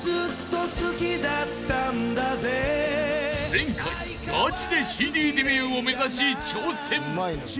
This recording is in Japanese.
［前回マジでＣＤデビューを目指し挑戦］